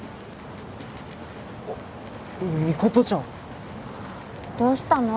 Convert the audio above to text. あっミコトちゃんどうしたの？